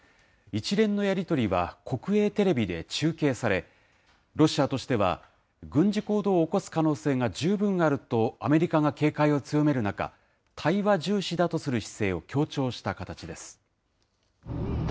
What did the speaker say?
一連のやり取りは国営テレビで中継され、ロシアとしては、軍事行動を起こす可能性が十分あるとアメリカが警戒を強める中、対話重視だとする姿勢を強調した形です。